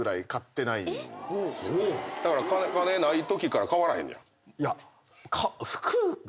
だから金ないときから変わらへんねや？